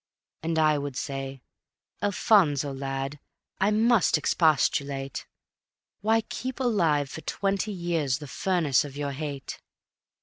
And I would say: "Alphonso, lad, I must expostulate; Why keep alive for twenty years the furnace of your hate?